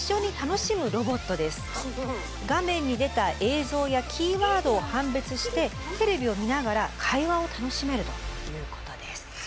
画面に出た映像やキーワードを判別してテレビを見ながら会話を楽しめるということです。